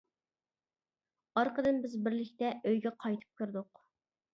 ئارقىدىن بىز بىرلىكتە ئۆيگە قايتىپ كىردۇق.